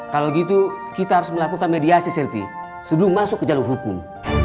kalau gitu kita harus melakukan mediasi selfie sebelum masuk ke jalur hukum